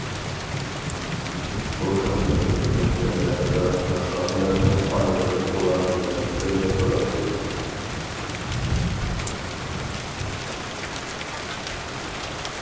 بۇ خىزمەتنى ئۆتەش جەريانىدا شاھزادىلەرنىڭ ئانىلىرى ئۇلار بىلەن بىرگە تۇراتتى.